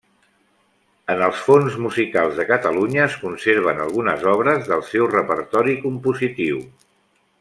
En els fons musicals de Catalunya es conserven algunes obres del seu repertori compositiu.